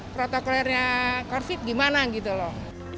protokolernya covid gimana gitu loh